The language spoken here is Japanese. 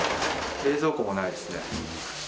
冷蔵庫もないですね。